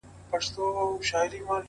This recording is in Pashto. د ارادې ځواک د خنډونو قد ټیټوي.!